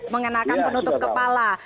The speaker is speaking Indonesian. mengenakan penutup kepala